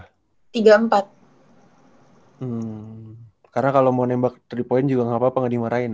hmm karena kalo mau nembak tiga point juga gapapa gak dimarahin ya